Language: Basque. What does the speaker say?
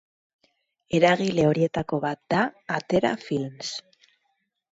Eragile horietako bat da Atera Films.